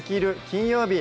金曜日」